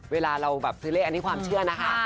เวลาเราแบบซื้อเลขอันนี้ความเชื่อนะคะ